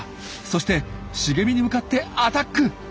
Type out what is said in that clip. そして茂みに向かってアタック！